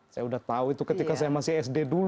saya udah tahu itu ketika saya masih sd dulu